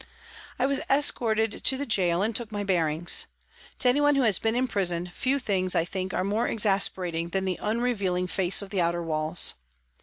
I was escorted to the gaol and took my bearings. To anyone who has been in prison, few things, I think, are more exasperating than the unrevealing face of the outer walls.